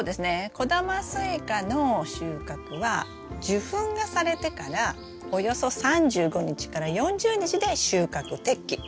小玉スイカの収穫は受粉がされてからおよそ３５日から４０日で収穫適期です。